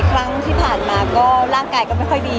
ครั้งที่ผ่านมาก็ร่างกายก็ไม่ค่อยดี